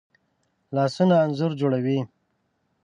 لاسونه انځور جوړوي